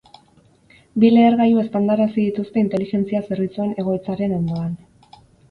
Bi lehergailu eztandarazi dituzte inteligentzia zerbitzuen egoitzaren ondoan.